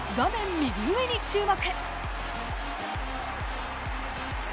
右上に注目。